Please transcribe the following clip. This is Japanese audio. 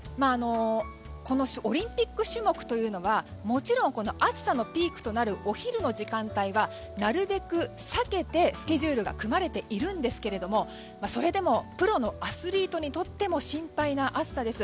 このオリンピック種目というのはもちろん、暑さのピークとなるお昼の時間帯はなるべく避けてスケジュールが組まれているんですがそれでもプロのアスリートにとっても心配な暑さです。